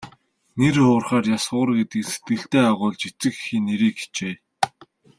Нэр хугарахаар яс хугар гэдгийг сэтгэлдээ агуулж эцэг эхийн нэрийг хичээе.